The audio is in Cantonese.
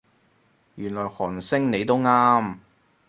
原來韓星你都啱